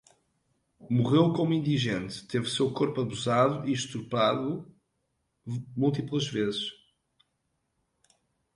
Morreu como indigente, teve seu corpo abusado e estuprado múltiplas vezes